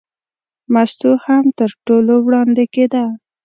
مستو هم تر ټولو وړاندې کېده.